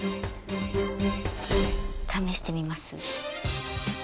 試してみます？